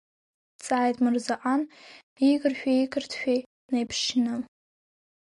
Дҵааит Мырзаҟан, игыршәеи иқырҭшәеи неиԥшьны.